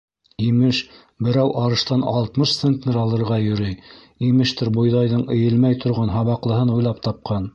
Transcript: Имеш, берәү арыштан алтмыш центнер алырға йөрөй, имештер, бойҙайҙың эйелмәй торған һабаҡлыһын уйлап тапҡан!